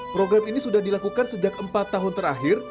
program ini sudah dilakukan sejak empat tahun terakhir